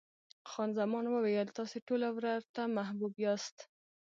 خان زمان وویل، تاسې ټوله ورته محبوب یاست.